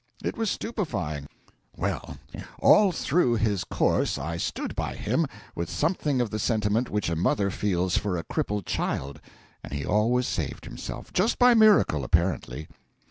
It was stupefying. Well, although through his course I stood by him, with something of the sentiment which a mother feels for a crippled child; and he always saved himself just by miracle, apparently.